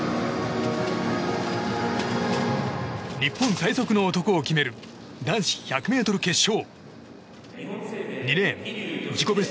日本最速の男を決める男子１００ｍ決勝。